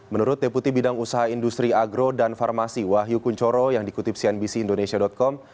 menurut deputi bidang usaha industri agro dan farmasi wahyu kunchoro yang dikutip cnbc indonesia com